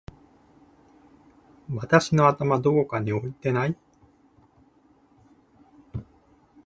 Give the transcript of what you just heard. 私の頭どこかに置いてない？！